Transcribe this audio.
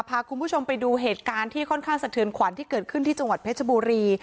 พาคุณผู้ชมไปดูเหตุการณ์ที่ค่อนข้างสะเทือนขวัญที่เกิดขึ้นที่จังหวัดเพชรบุรี